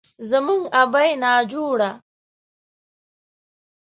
زموږ ابۍ ناجوړه،